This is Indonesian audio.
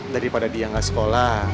daripada dia gak sekolah